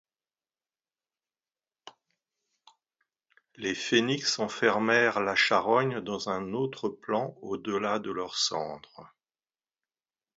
Les Phénix enfermèrent la Charogne dans un autre plan au-delà de leurs cendres.